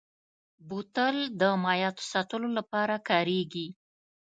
بوتل د مایعاتو ساتلو لپاره کارېږي.